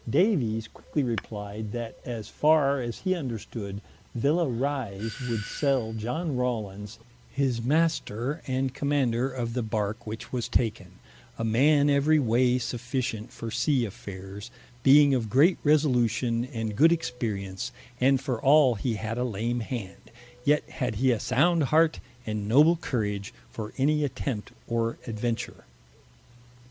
Davies quickly replied, that as farre as he understood, Villa Rise would sell Iohn Rawlins his Master, and Commander of the Barke which was taken, a man every way sufficient for Sea affaires, being of great resolution and good experience; and for all he had a lame hand, yet had he a sound heart and noble courage for any attempt or adventure.